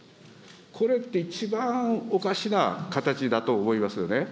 これって一番おかしな形だと思いますよね。